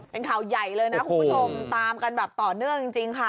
เป็นข่าวใหญ่เลยนะคุณผู้ชมตามกันแบบต่อเนื่องจริงค่ะ